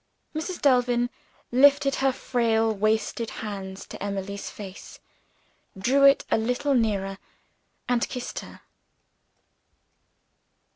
Mrs. Delvin lifted her frail wasted hands to Emily's face, drew it a little nearer and kissed her.